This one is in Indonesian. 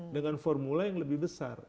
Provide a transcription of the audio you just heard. dengan formula yang lebih besar